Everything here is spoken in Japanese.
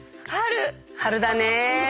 春だね。